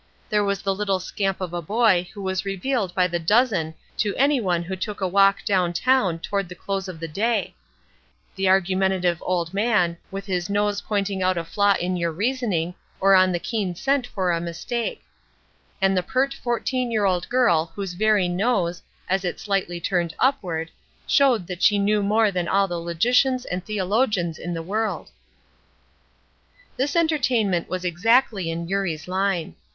There was the little scamp of a boy who was revealed by the dozen to any one who took a walk down town toward the close of the day; the argumentative old man, with his nose pointing out a flaw in your reasoning or on the keen scent for a mistake; and the pert fourteen year old girl whose very nose, as it slightly turned upward, showed that she knew more than all the logicians and theologians in the world. This entertainment was exactly in Eurie's line.